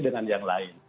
dengan yang lain